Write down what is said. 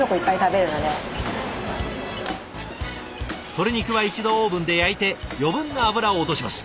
鶏肉は一度オーブンで焼いて余分な脂を落とします。